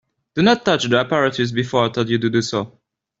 Do not touch the apparatus before I told you to do so.